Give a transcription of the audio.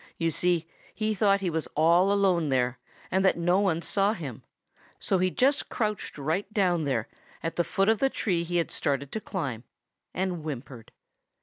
You see, he thought he was all alone there, and that no one saw him. So he just crouched right down there at the foot of the tree he had started to climb, and whimpered.